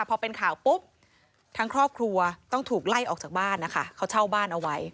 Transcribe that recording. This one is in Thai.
พอเป็นข่าวปุ๊บทั้งครอบครัวต้องถูกไล่ออกจากบ้านนะคะเขาเช่าบ้านเอาไว้